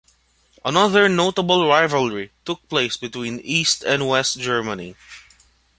Another notable rivalry took place between East and West Germany.